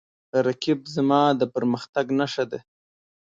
رقیب زما د پرمختګ نښه ده